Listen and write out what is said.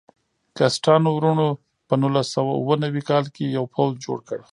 کسټانو وروڼو په نولس سوه اوه نوي کال کې یو پوځ جوړ کړ.